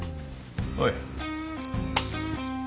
おい。